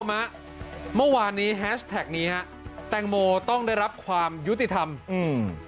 มาเมื่อวานนี้แฮชแท็กนี้ฮะแตงโมต้องได้รับความยุติธรรมอืม